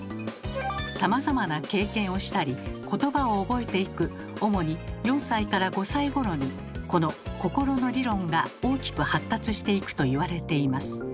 さまざまな経験をしたりことばを覚えていく主に４歳５歳ごろにこの心の理論が大きく発達していくといわれています。